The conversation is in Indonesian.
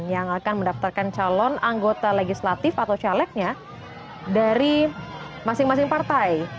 yang akan mendaftarkan calon anggota legislatif atau calegnya dari masing masing partai